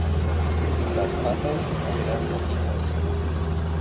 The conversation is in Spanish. Las patas eran rojizas.